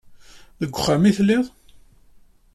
Deg wexxam i telliḍ?